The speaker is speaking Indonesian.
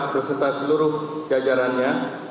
terseogerja seluruh jajarannya